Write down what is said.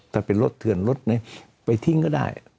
ถ้าเป็นรถเถื่อนรถไปทิ้งก็ได้